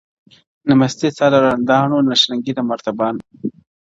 نه مستي سته د رندانو نه شرنګی د مطربانو -